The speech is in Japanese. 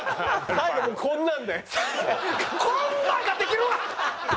最後こんなんができるわ！